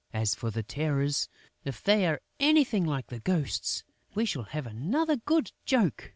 As for the Terrors, if they are anything like the Ghosts, we shall have another good joke."